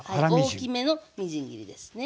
大きめのみじん切りですね。